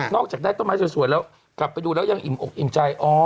อกจากได้ต้นไม้สวยแล้วกลับไปดูแล้วยังอิ่มอกอิ่มใจ